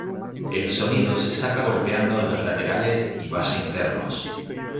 El sonido se saca golpeando en los laterales y base internos.